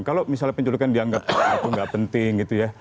kalau misalnya penculikan dianggap itu nggak penting gitu ya